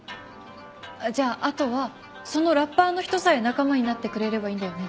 じゃああとはそのラッパーの人さえ仲間になってくれればいいんだよね？